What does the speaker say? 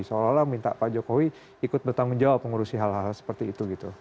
seolah olah minta pak jokowi ikut bertanggung jawab mengurusi hal hal seperti itu gitu